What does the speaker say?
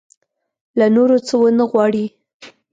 له نورو څه ونه وغواړي.